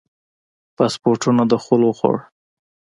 پاسپورټونو دخول وخوړه.